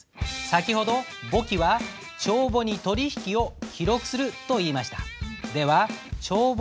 先ほど「簿記は帳簿に取り引きを記録する」と言いました。